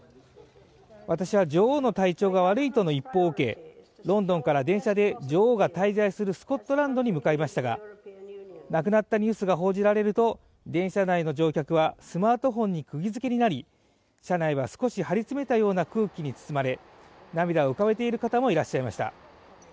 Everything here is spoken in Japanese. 私は女王の体調が悪いとの一報を受けロンドンから電車で女王が滞在するスコットランドに向かいましたが亡くなったニュースが報じられると電車内の乗客はスマートフォンに釘付けになり車内は少し張り詰めたような空気に包まれ涙を浮かべている方もいらっしゃいました